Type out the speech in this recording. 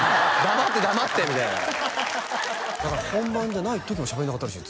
「黙って黙って」みたいなだから本番じゃない時もしゃべんなかったらしい